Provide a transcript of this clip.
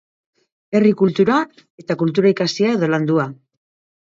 Herri kultura eta kultura ikasia edo landua.